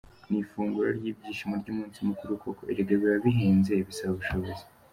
Ni ifunguro ry’ibyishimo ry’umunsi mukuru koko, erega biba bihenze, bisaba ubushobozi.